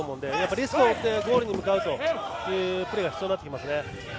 リスクを負ってゴールに向かうというプレーが必要になってきますね。